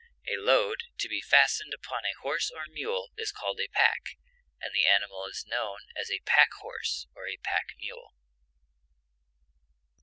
A load to be fastened upon a horse or mule is called a pack, and the animal is known as a pack horse or pack mule.